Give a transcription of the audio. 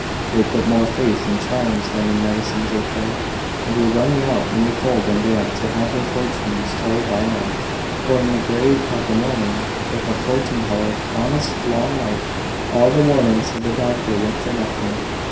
They put more faith in charms than in medicines or care; and were running out in the cold and damp to have their fortunes told by night, or in the grey of the morning. If a fortune teller promised long life, all the warnings of the doctor went for nothing.